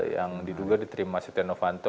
yang diduga diterima stiano vanto